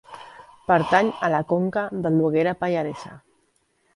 Pertany a la conca del Noguera Pallaresa.